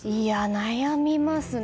悩みますね。